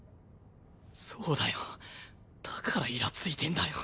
そうだよだからイラついてんだよ。